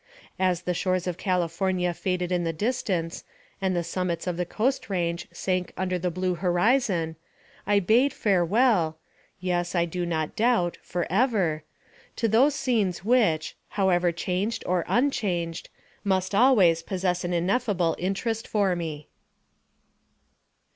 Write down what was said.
As the shores of California faded in the distance, and the summits of the Coast Range sank under the blue horizon, I bade farewell yes, I do not doubt, forever to those scenes which, however changed or unchanged, must always possess an ineffable interest for me.